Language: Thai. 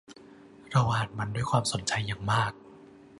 เราอ่านมันด้วยความสนใจอย่างมาก